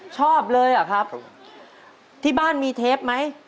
ชอบเลยเหรอครับครับ